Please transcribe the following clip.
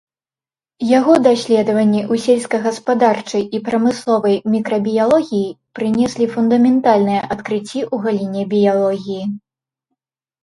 Яго даследаванні ў сельскагаспадарчай і прамысловай мікрабіялогіі прынеслі фундаментальныя адкрыцці ў галіне біялогіі.